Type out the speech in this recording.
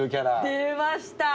出ました！